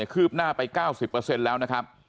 ืบหน้าไป๙๐แล้วนะครับ